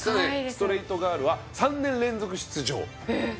ストレイトガールは３年連続出場えっ！